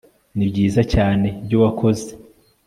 nibyiza cyane ibyo wakoze